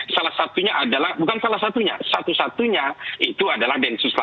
salah satunya adalah bukan salah satunya satu satunya itu adalah densus delapan puluh